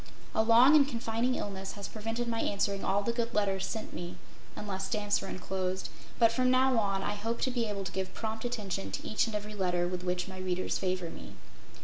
A long and confining illness has prevented my answering all the good letters sent me unless stamps were enclosed but from now on I hope to be able to give prompt attention to each and every letter with which my readers favor me.